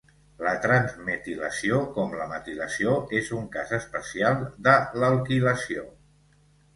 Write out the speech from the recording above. La transmetilació com la metilació és un cas especial de l’alquilació.